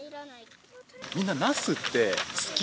みんなナスって好き？